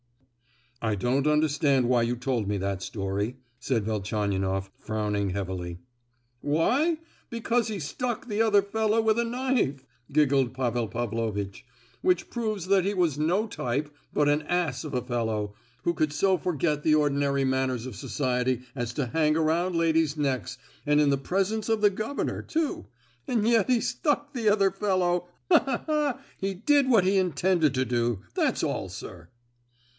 "I don't understand why you told me that story," said Velchaninoff, frowning heavily. "Why, because he stuck the other fellow with a knife," giggled Pavel Pavlovitch, "which proves that he was no type, but an ass of a fellow, who could so forget the ordinary manners of society as to hang around ladies' necks, and in the presence of the governor, too—and yet he stuck the other fellow. Ha ha ha! He did what he intended to do, that's all, sir!"